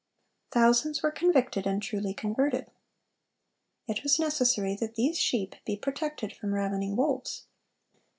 Thousands were convicted and truly converted. It was necessary that these sheep be protected from ravening wolves.